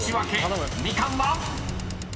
［みかんは⁉］